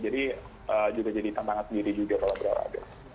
jadi juga jadi tantangan sendiri juga kalau berarah raga